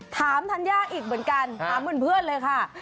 ธัญญาอีกเหมือนกันถามเหมือนเพื่อนเลยค่ะ